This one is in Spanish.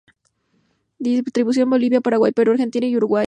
Distribución: Bolivia, Paraguay, Perú, Argentina y Uruguay.